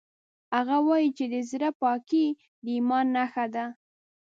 هغه وایي چې د زړه پاکۍ د ایمان نښه ده